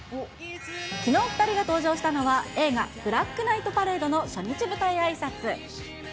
きのう、２人が登場したのは、映画、ブラックナイトパレードの初日舞台あいさつ。